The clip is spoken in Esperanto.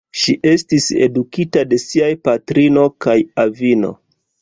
Ŝi estis edukita de siaj patrino kaj avino.